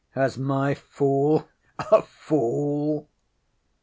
ŌĆ£Has my fool a fool?